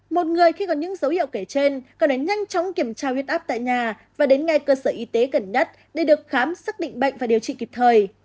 một người khi có những dấu hiệu kể trên cần phải nhanh chóng kiểm tra huyết áp tại nhà và đến ngay cơ sở y tế gần nhất để được khám xác định bệnh và điều trị kịp thời